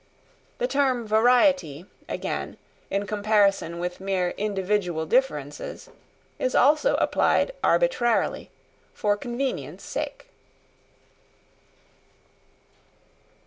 The term variety, again, in comparison with mere individual differences, is also applied arbitrarily, for convenience sake.